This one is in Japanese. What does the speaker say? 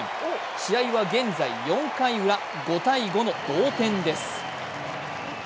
試合は現在４回ウラ、５−５の同点です。